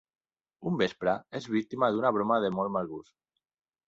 Un vespre, és víctima d'una broma de molt mal gust.